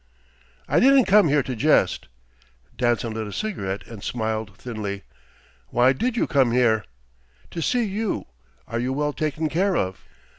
"I didn't come here to jest." Danson lit a cigarette and smiled thinly. "Why did you come here?" "To see you. Are you well taken care of?"